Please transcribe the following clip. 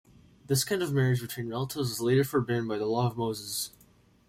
This kind of marriage between relatives was later forbidden by the law of Moses.